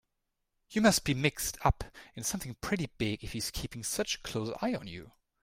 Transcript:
You must be mixed up in something pretty big if he's keeping such a close eye on you.